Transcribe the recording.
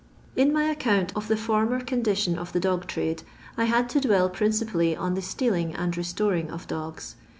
In my account of the former condition of the dog trade, I had to dwell principally on the steal ing and restoring of dogs.